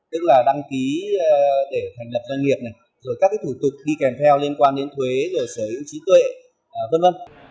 tức là đăng ký để thành lập doanh nghiệp này rồi các thủ tục đi kèm theo liên quan đến thuế rồi sở hữu trí tuệ v v